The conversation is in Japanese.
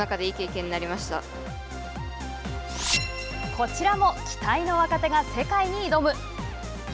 こちらも期待の若手が世界に挑む。